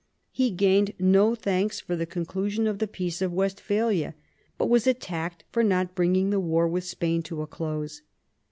He gained no thanks for the conclusion of the Peace of Westphalia, but was attacked for not bringing the war with Spain to a close.